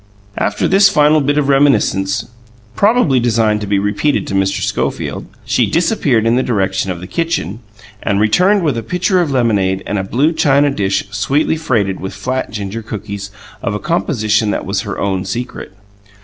After this final bit of reminiscence probably designed to be repeated to Mr. Schofield she disappeared in the direction of the kitchen, and returned with a pitcher of lemonade and a blue china dish sweetly freighted with flat ginger cookies of a composition that was her own secret.